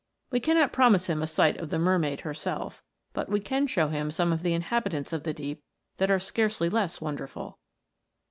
We cannot pro mise him a sight of the mermaid herself, but we i 114 THE MERMAID'S HOME. can show him some of the inhabitants of the deep that are scarcely less wonderful.